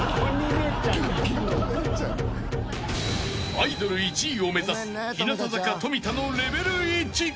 ［アイドル１位を目指す日向坂富田のレベル１］